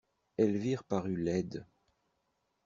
Elvire parut laide.